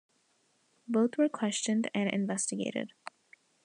Both were questioned and investigated.